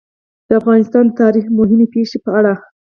د افغانستان د تاریخ د مهمې پېښې په اړه.